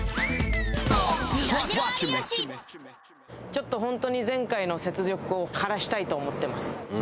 ちょっとホントに前回の雪辱を果たしたいと思ってます